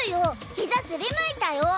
膝すりむいたよ！